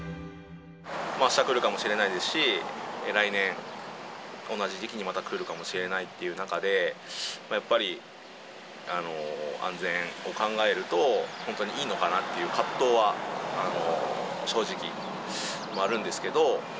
あした来るかもしれないですし、来年、同じ時期にまた来るかもしれないという中で、やっぱり、安全を考えると、本当にいいのかなっていう葛藤は、正直あるんですけど。